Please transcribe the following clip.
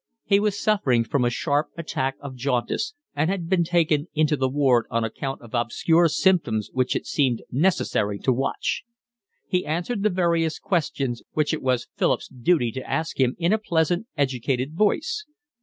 He was suffering from a sharp attack of jaundice, and had been taken into the ward on account of obscure symptoms which it seemed necessary to watch. He answered the various questions which it was Philip's duty to ask him in a pleasant, educated voice.